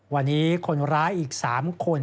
วันนี้คนร้ายอีก๓คน